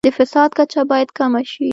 د فساد کچه باید کمه شي.